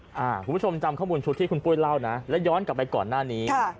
คุณผู้ชมจำข้อมูลชุดที่คุณปุ้ยเล่านะและย้อนกลับไปก่อนหน้านี้